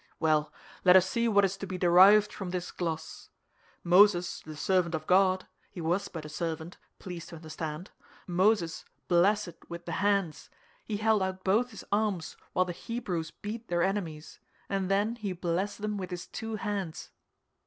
"Well, let us see what is to be derived from this gloss. Moses, the servant of God—he was but a servant, please to understand—Moses blessed with the hands; he held out both his arms while the Hebrews beat their enemies, and then he blessed them with his two hands.